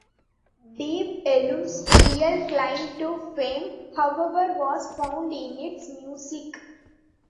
Deep Ellum's real claim to fame, however, was found in its music.